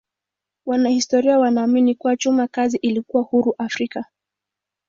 Wanahistoria wanaamini kuwa chuma kazi ilikuwa huru Afrika.